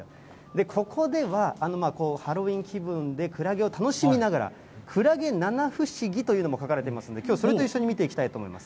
ここでは、ハロウィン気分でクラゲを楽しみながら、クラゲ七不思議というのも書かれていますんで、きょう、それと一緒に見ていきたいと思います。